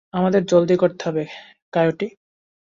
আমাদের জলদি করতে হবে, কায়োটি।